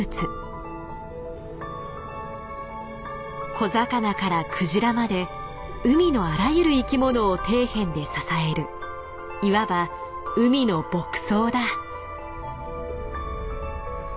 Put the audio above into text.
小魚からクジラまで海のあらゆる生きものを底辺で支えるいわば海の牧草だ。